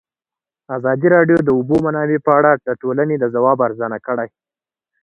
ازادي راډیو د د اوبو منابع په اړه د ټولنې د ځواب ارزونه کړې.